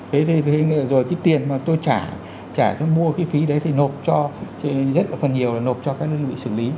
thế thì rồi cái tiền mà tôi trả trả tôi mua cái phí đấy thì nộp cho rất là phần nhiều là nộp cho các đơn vị xử lý